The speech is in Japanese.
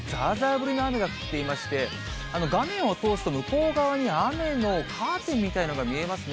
降りの雨が降っていまして、画面を通すと、向こう側に雨のカーテンみたいなのが見えますね。